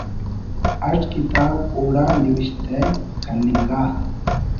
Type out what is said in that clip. اٹ کتاب اوڑا نوشتہ کننگا